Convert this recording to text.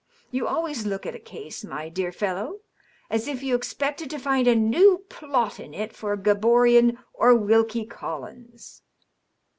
You always look at a case, my dear fellow, as if you expected to find a new plot in it for Graboriau or Wilkie Collins."